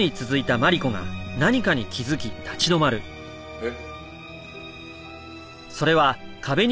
えっ？